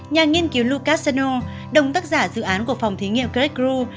nhà nghiên cứu lucas sano đồng tác giả dự án của phòng thí nghiệm crack crew